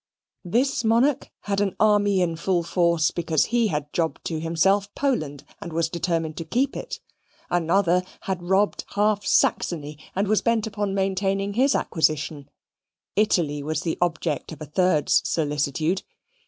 This monarch had an army in full force because he had jobbed to himself Poland, and was determined to keep it: another had robbed half Saxony, and was bent upon maintaining his acquisition: Italy was the object of a third's solicitude.